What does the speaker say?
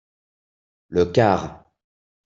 Le quart.